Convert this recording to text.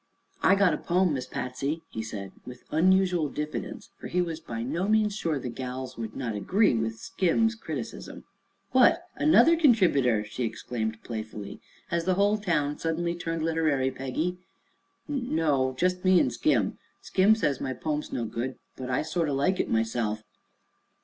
"I got a pome, Miss Patsy," he said, with unusual diffidence, for he was by no means sure the "gals" would not agree with Skim's criticism. "What! Another contributor?" she exclaimed playfully. "Has the whole town suddenly turned literary, Peggy?" "No; jest me 'n' Skim. Skim says my pome's no good; but I sort o' like it, myself."